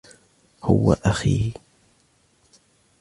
هو أخي.